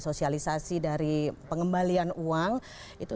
sosialisasi dari pengembalian uang itu